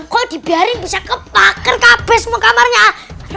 kok dibaring bisa kebakar kabar semua kamarnya itu